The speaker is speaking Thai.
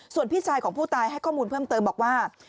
ส่วนพี่ชายของผู้ตายให้ข้อมูลเพิ่มเติมบอกว่า